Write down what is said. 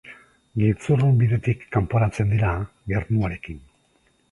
Giltzurrun bidetik kanporatzen dira gernuarekin.